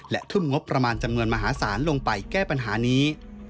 และทุ่มงบประมาณจำนวนมหาศาลลงไปแก้ปัญหานี้